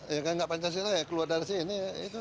ya kan nggak pancasila ya keluar dari sini